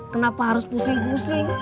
kenapa harus pusing pusing